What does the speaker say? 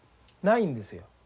ないんですよ。